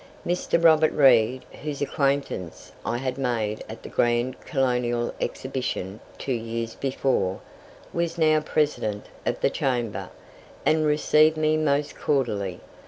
Mr. Robert Reid, whose acquaintance I had made at the grand Colonial Exhibition two years before, was now President of the Chamber, and received me most cordially.